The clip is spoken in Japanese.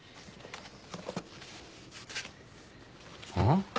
うん？